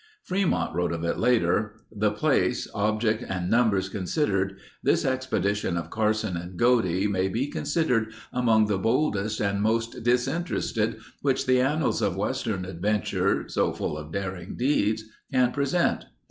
Fremont wrote of it later: "The place, object and numbers considered, this expedition of Carson and Godey may be considered among the boldest and most disinterested which the annals of Western adventure so full of daring deeds can present."